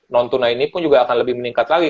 non tunai ini pun juga akan lebih meningkat lagi